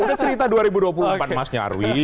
udah cerita dua ribu dua puluh empat mas nyarwi